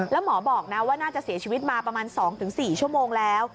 แล้วหมอบอกนะว่าน่าจะเสียชีวิตมาประมาณ๒๔ชั่วโมงแล้ว